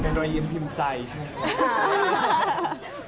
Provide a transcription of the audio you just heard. เป็นรอยยิ้มพิมพ์ใจใช่ไหม